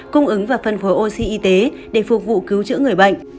cung ứng và phân phối oxy y tế để phục vụ cứu chữa người bệnh